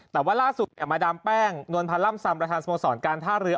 แต่ว่าล่าสุดมาดามแป้งนวลพันธ์ล่ำซำประธานสโมสรการท่าเรือ